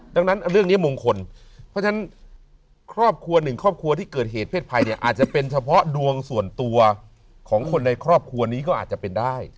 ดังนั้นเรื่องนี้มงคลเพราะฉะนั้นครอบครัวหนึ่งครอบครัวที่เกิดเหตุเพศภัยเนี่ยอาจจะเป็นเฉพาะดวงส่วนตัวของคนในครอบครัวนี้ก็อาจจะเป็นได้